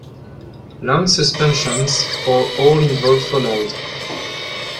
Long suspensions for all involved followed.